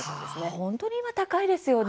本当に今、高いですよね。